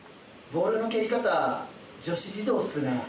・ボールの蹴り方女子児童っすね。